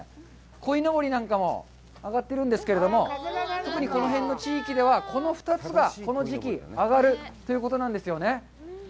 こいのぼりなんかも揚がっているんですけど揚がってるんですけれども特にこの辺の地域ではこの２つがこの時期揚がるということなんですよね。